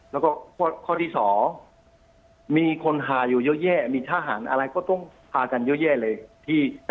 แล้วก็ข้อที่๒มีคนหาอยู่เยอะแยะมีทหารอะไรก็ต้องพากันเยอะแยะเลย